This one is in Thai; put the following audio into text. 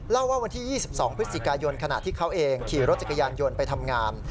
ว่าวันที่๒๒พฤศจิกายนขณะที่เขาเองขี่รถจักรยานยนต์ไปทำงาน